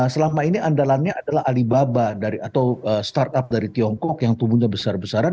selama ini andalannya adalah alibaba atau startup dari tiongkok yang tumbuhnya besar besaran